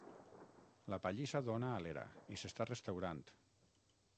La pallissa dóna a l'era i s'està restaurant.